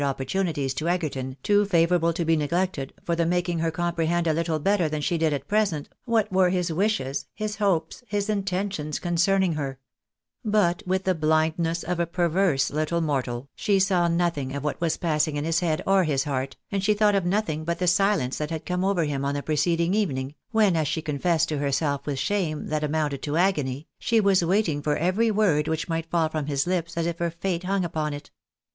201 opportunities to Egerton too favourable to be neglected, for the making her compreliend a little better than she did at present what Avere his wishes, his hopes, his intentions concerning her ; but, with the blindness of a perverse little mortal, she saw nothing of what was passing in his head or his heart, and she thought of nothing but the silence that had come over hun on the preceding evening, when, as she confessed to herself with shame that amounted to agony, she was waiting for every word which might fall from his lips, as if her fate hung upon it.